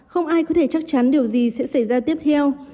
không ai có thể chắc chắn điều gì sẽ xảy ra tiếp theo